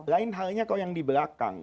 lain halnya kalau yang di belakang